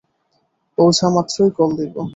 পৌঁছামাত্রই call দিবো।